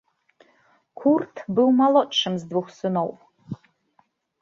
Курт быў малодшым з двух сыноў.